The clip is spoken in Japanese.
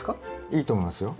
いいと思いますよ。